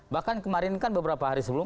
bahkan kemarin kan beberapa hari sebelum